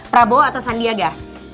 prabowo atau sandiaga